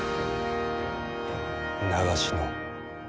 長篠。